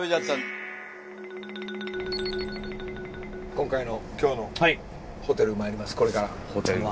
今回の今日のホテルへ参りますこれから。